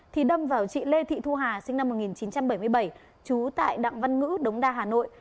thì đâm vào chị lê thị thu hà sinh năm một nghìn chín trăm bảy mươi bảy trú tại đặng văn ngữ đống đa hà nội